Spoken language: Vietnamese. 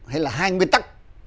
hay là hai nguyên tắc